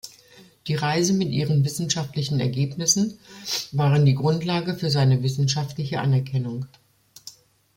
Die Reise mit ihren wissenschaftlichen Ergebnissen waren die Grundlage für seine wissenschaftliche Anerkennung.